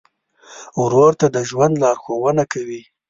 ورور ته د ژوند لارښوونه کوې.